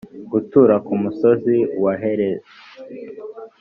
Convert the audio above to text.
gutura ku musozi wa heresi